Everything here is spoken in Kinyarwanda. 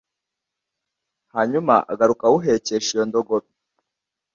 hanyuma agaruka awuhekesha iyo ndogobe.